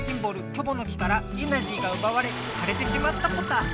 「キョボの木」からエナジーがうばわれかれてしまったポタ。